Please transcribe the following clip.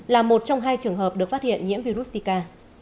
là một trong hai trường hợp được phát hiện nhiễm virus zika